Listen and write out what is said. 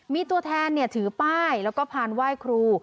มีตัวแทนถือป้ายแล้วก็พานไหว้ครู